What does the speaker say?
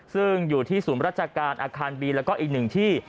ซึ่งอยู่ที่ศูนย์ราชการอาคารบีแล้วก็อีกหนึ่งที่